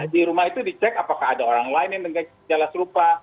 di rumah itu dicek apakah ada orang lain yang dengan gejala serupa